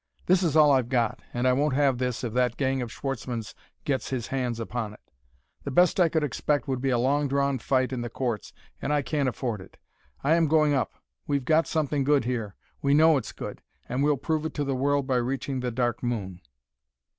"This is all I've got. And I won't have this if that gang of Schwartzmann's gets its hands upon it. The best I could expect would be a long drawn fight in the courts, and I can't afford it. I am going up. We've got something good here; we know it's good. And we'll prove it to the world by reaching the Dark Moon."